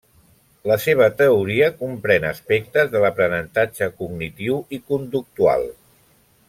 La seva teoria comprèn aspectes de l'aprenentatge cognitiu i conductual.